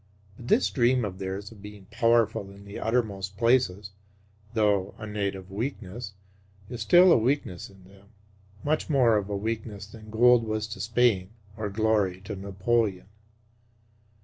But this dream of theirs of being powerful in the uttermost places, though a native weakness, is still a weakness in them; much more of a weakness than gold was to Spain or glory to Napoleon.